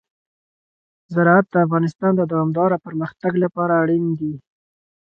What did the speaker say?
زراعت د افغانستان د دوامداره پرمختګ لپاره اړین دي.